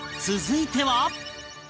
続いては